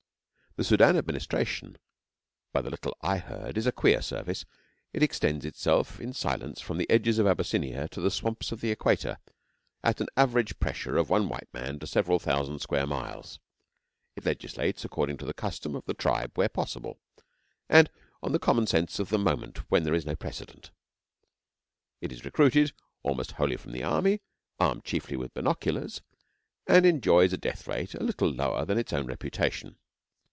The Soudan Administration, by the little I heard, is a queer service. It extends itself in silence from the edges of Abyssinia to the swamps of the Equator at an average pressure of one white man to several thousand square miles. It legislates according to the custom of the tribe where possible, and on the common sense of the moment when there is no precedent. It is recruited almost wholly from the army, armed chiefly with binoculars, and enjoys a death rate a little lower than its own reputation.